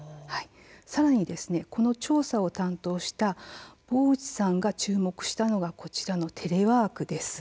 さらにこの調査を担当した坊内さんが注目したのはこちらのテレワークです。